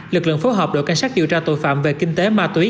lực lượng phối hợp đội cảnh sát điều tra tội phạm về kinh tế ma túy